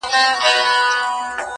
وجود دې څومره دے کوَټلے عقل خام هلکه